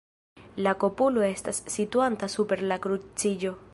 La kupolo estas situanta super la kruciĝo.